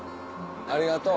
ありがとう。